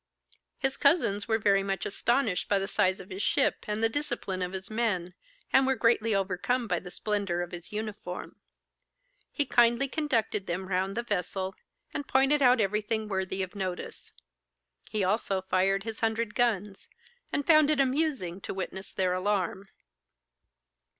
His cousins were very much astonished by the size of his ship and the discipline of his men, and were greatly overcome by the splendour of his uniform. He kindly conducted them round the vessel, and pointed out everything worthy of notice. He also fired his hundred guns, and found it amusing to witness their alarm.